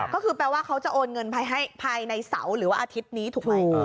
ก็คือแปลว่าเขาจะโอนเงินภายในเสาร์หรือว่าอาทิตย์นี้ถูกไหม